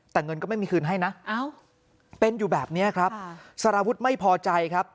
แต่เงินก็ไม่มีคืนให้นะเป็นอยู่แบบนี้ครับสารวุฒิไม่พอใจครับ